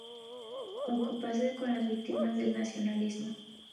Ocupase con las víctimas del nacionalsocialismo.